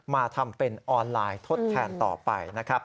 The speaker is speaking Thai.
มาทำเป็นออนไลน์ทดแทนต่อไปนะครับ